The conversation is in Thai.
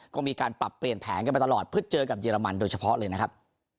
ก็มีการปรับเปลี่ยนแผนกันไปตลอดเพื่อเจอกับเยอรมันโดยเฉพาะเลยนะครับ